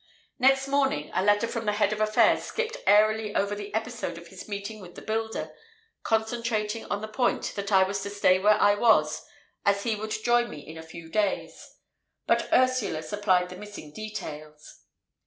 Next morning a letter from the Head of Affairs skipped airily over the episode of his meeting with the builder, concentrating on the point that I was to stay where I was, as he would join me in a few days. But Ursula supplied the missing details.